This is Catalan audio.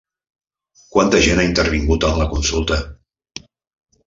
Quanta gent ha intervingut en la consulta?